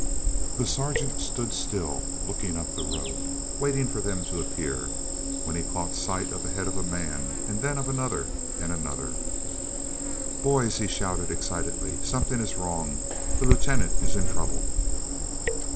The Sergeant stood still looking up the road waiting for them to appear, when he caught sight of the head of a man, then of another, and another. "Boys," he shouted, excitedly, "something is wrong; the Lieutenant is in trouble."